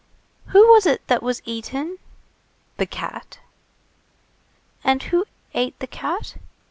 "Who was it that was eaten?" "The cat." "And who ate the cat?"